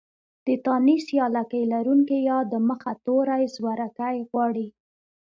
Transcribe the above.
د تانيث يا لکۍ لرونکې ۍ د مخه توری زورکی غواړي.